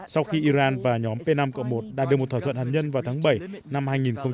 sau khi iran và nhóm p năm một đạt được một thỏa thuận hạt nhân vào tháng bảy năm hai nghìn một mươi năm